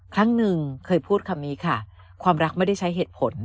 ครั้งหนึ่งเคยพูดคำนี้ค่ะความรักไม่ได้ใช้เหตุผล